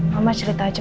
mama cerita saja